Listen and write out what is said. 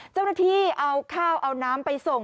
เจ้าหน้าที่เอาข้าวเอาน้ำไปส่ง